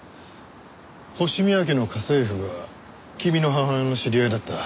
星宮家の家政婦が君の母親の知り合いだった。